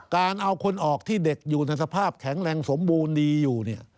การเอาคนออกที่เด็กอยู่ในสภาพแข็งแรงสมบูรณ์ดีอยู่